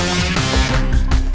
masalah apa pak